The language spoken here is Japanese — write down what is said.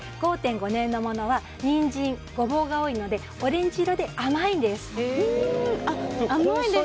５．５年のものはニンジン、ゴボウが多いのでオレンジ色で甘いんです。